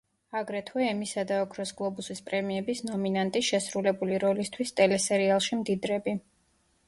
აგრეთვე ემისა და ოქროს გლობუსის პრემიების ნომინანტი შესრულებული როლისთვის ტელესერიალში „მდიდრები“.